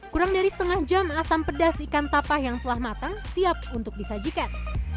kurang dari setengah jam asam pedas ikan tapah yang telah matang siap untuk disajikan